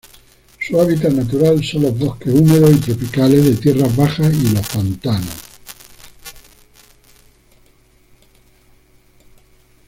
Su hábitat natural son los bosques húmedos tropicales de tierras bajas y los pantanos.